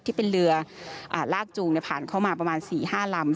ที่เป็นเรือลากจูงผ่านเข้ามาประมาณ๔๕ลำ